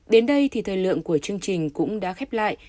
đến đây thì thời lượng của chương trình cũng đã khép lại